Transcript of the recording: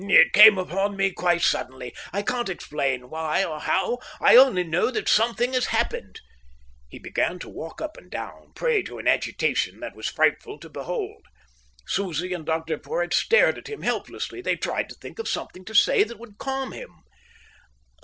"It came upon me quite suddenly, I can't explain why or how. I only know that something has happened." He began again to walk up and down, prey to an agitation that was frightful to behold. Susie and Dr Porhoët stared at him helplessly. They tried to think of something to say that would calm him.